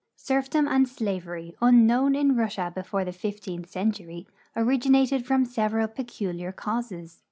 Serfdom and slavery, unknown in Russia before the fifteenth century, originated from several i)eculiar causes.